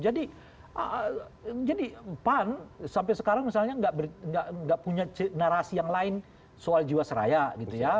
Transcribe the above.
jadi pan sampai sekarang misalnya nggak punya narasi yang lain soal jiwa seraya gitu ya